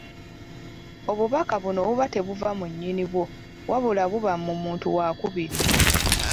Obubaka buno buba tebuva mu nnyinibwo wabula buba mu muntu wakubiri.